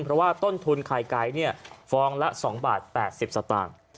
เพราะว่าต้นทุนไข่ไก่ฟองละ๒บาท๘๐สตางค์